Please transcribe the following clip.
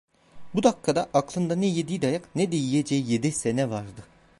Bu dakikada aklında, ne yediği dayak ne de yiyeceği yedi sene vardı.